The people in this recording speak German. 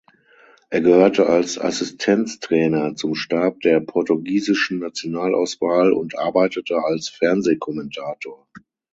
Er gehörte als Assistenztrainer zum Stab der portugiesischen Nationalauswahl und arbeitete als Fernsehkommentator.